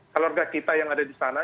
keluarga kita yang ada di sana